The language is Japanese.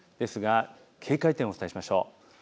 警戒点をお伝えしましょう。